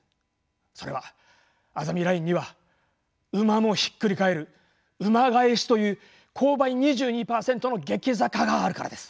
それはあざみラインには馬もひっくり返る馬返しという勾配２２％の激坂があるからです。